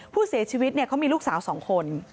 ผู้เสียชีวิตเขามีลูกสาว๒คน